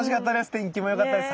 天気も良かったです。